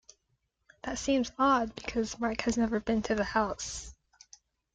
That seems odd because Mark has never been to the house.